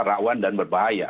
rawan dan berbahaya